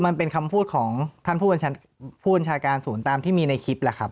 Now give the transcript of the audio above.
มันเป็นคำพูดของท่านผู้บัญชาการศูนย์ตามที่มีในคลิปแหละครับ